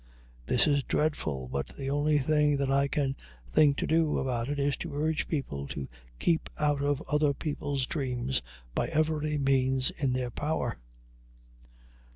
This is dreadful, but the only thing that I can think to do about it is to urge people to keep out of other people's dreams by every means in their power.